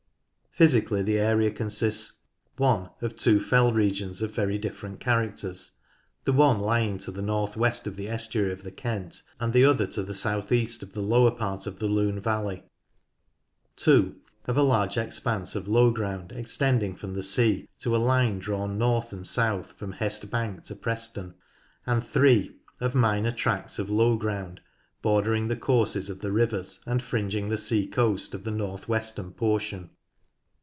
Physically the area consists ; (i) of two fell regions of very different characters, the one lying to the north west of the estuary of the Kent, and the other to the south east of the lower part of the Lune valley ; (ii) of a large expanse of low ground extending from the sea to a line drawn north and south from Hest Bank to Preston ; and (hi) of minor tracts of low ground bordering the courses of the rivers, and fringing the sea coast of the north western portion.